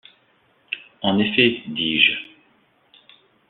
En effet, dis-je